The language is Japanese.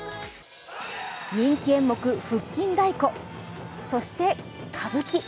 人気演目・腹筋太鼓、そして歌舞伎。